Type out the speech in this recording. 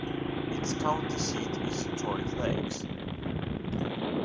Its county seat is Detroit Lakes.